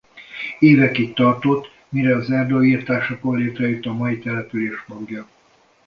Évekig tartott mire az erdőirtásokon létrejött a mai település magja.